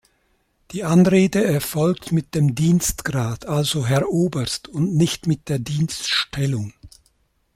Die Anrede erfolgt mit dem Dienstgrad, also "Herr Oberst" und nicht mit der Dienststellung.